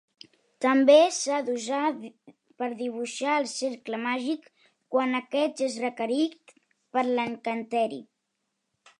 També s'ha d'usar per dibuixar el cercle màgic quan aquest és requerit per l'encanteri.